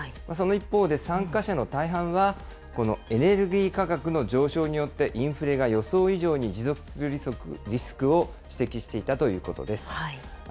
その一方で、参加者の大半は、このエネルギー価格の上昇によってインフレが予想以上に持続するリスクを指摘していたということです。